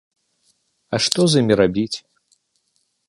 А што з імі рабіць?